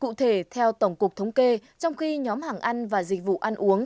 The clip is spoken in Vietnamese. cụ thể theo tổng cục thống kê trong khi nhóm hàng ăn và dịch vụ ăn uống